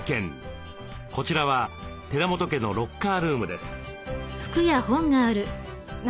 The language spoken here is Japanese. こちらは寺本家のロッカールームです。